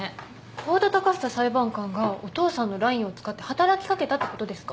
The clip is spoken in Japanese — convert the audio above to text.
香田隆久裁判官がお父さんのラインを使って働き掛けたってことですか？